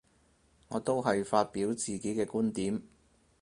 我都係發表自己嘅觀點